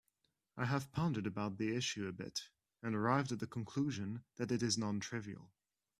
I have pondered about the issue a bit and arrived at the conclusion that it is non-trivial.